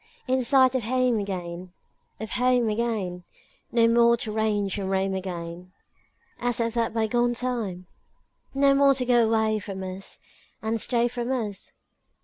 In sight of home again, Of home again; No more to range and roam again As at that bygone time? No more to go away from us And stay from us?